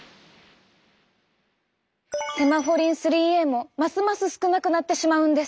セマフォリン３Ａもますます少なくなってしまうんです。